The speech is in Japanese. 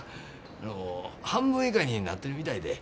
あの半分以下になってるみたいで。